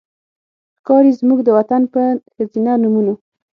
ښکاري زموږ د وطن په ښځېنه نومونو